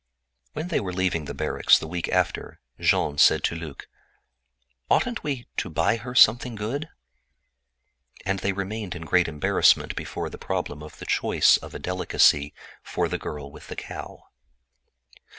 When they were leaving the barracks the week after, Jean said to Luc: "Oughtn't we to buy her something good?" They were in great embarrassment before the problem of the choice of a delicacy for the girl with the cow.